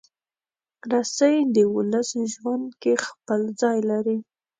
رسۍ د ولس ژوند کې خپل ځای لري.